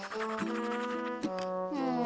うん。